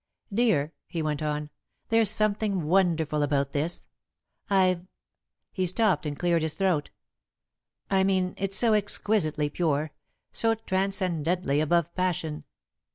"Dear," he went on, "there's something wonderful about this. I've " he stopped and cleared his throat. "I mean it's so exquisitely pure, so transcendently above passion.